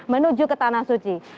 menuju ke tanah suci